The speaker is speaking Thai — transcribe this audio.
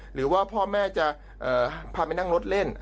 หรือว่าพ่อแม่จะพาไปนั่งรถเล่น